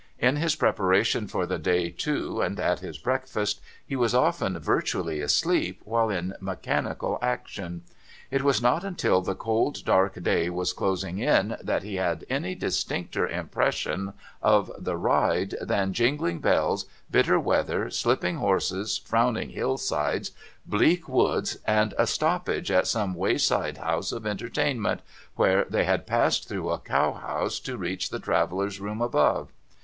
In his preparation for the day, too, and at his breakfast, he was often virtually asleep while in mechanical action. It was not until the cold dark day was closing in, that he had any distincter impressions of the ride than jingling bells, bitter weather, slipping horses, frowning hillsides, bleak woods, and a stoppage at some VENDALE SHAKES OFF HIS STUPOR 545 wayside house of entertainment, where they had passed through a cowhouse to reach the travellers' room above.